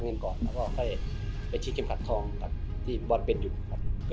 เป็นขิงเค็มขาดทองที่บอดเป็นอยู่ครับ